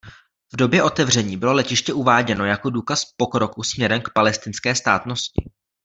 V době otevření bylo letiště uváděno jako důkaz pokroku směrem k palestinské státnosti.